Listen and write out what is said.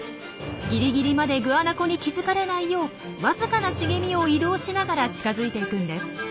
ギリギリまでグアナコに気付かれないようわずかな茂みを移動しながら近づいていくんです。